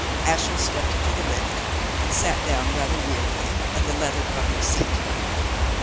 Ashiel stepped into the lift and sat down rather wearily on the leather covered seat.